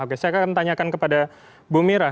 oke saya akan tanyakan kepada bu mira